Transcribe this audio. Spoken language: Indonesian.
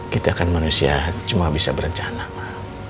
kita kan manusia cuma bisa berencana pak